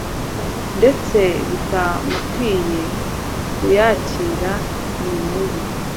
ndetse bitamukwiriye. Uyakira nimubi